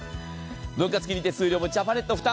分割金利・手数料もジャパネット負担。